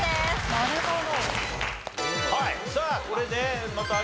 なるほど。